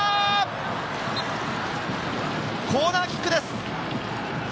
コーナーキックです。